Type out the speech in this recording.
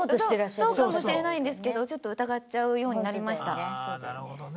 そうかもしれないんですけどちょっと疑っちゃうようになりましたね。